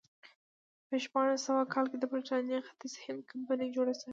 په شپاړس سوه کال کې د برېټانیا ختیځ هند کمپنۍ جوړه شوه.